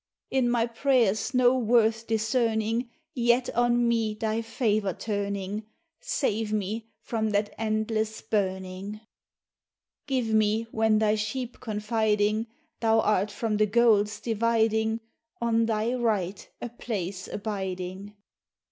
In my prayers no worth discerning, Yet on me Thy favor turning, Save me from that endless burning! Give me, when Thy sheep confiding Thou art from the goals dividing. On Thy right a place abiding!